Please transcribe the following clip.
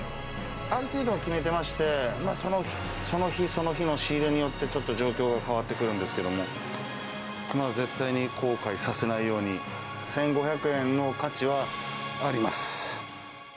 ある程度は決めてまして、その日その日の仕入れによって、ちょっと状況が変わってくるんですけども、絶対に後悔させないように、１５００円の価値はあります。